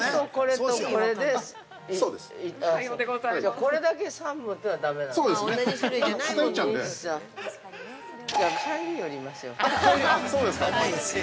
◆これだけ３本というのはだめなのね？